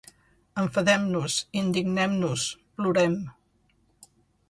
Enfadem-nos, indignem-nos, plorem.